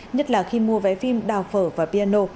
nhất là khi mua vé phim đào phở và piano